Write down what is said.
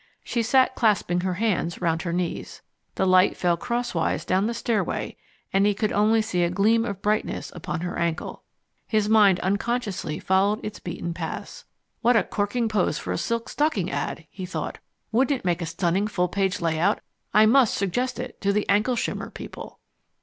She sat clasping her hands round her knees. The light fell crosswise down the stairway, and he could see only a gleam of brightness upon her ankle. His mind unconsciously followed its beaten paths. "What a corking pose for a silk stocking ad!" he thought. "Wouldn't it make a stunning full page layout. I must suggest it to the Ankleshimmer people."